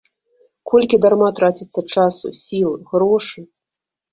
Колькі дарма траціцца часу, сіл, грошы!